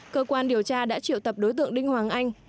cơ quan điều tra đã triệu tập đối tượng đinh hoàng anh